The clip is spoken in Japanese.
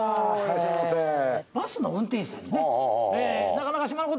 バスの運転手さんにね、あらま。